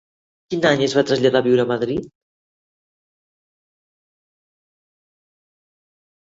Quin any es va traslladar a viure a Madrid?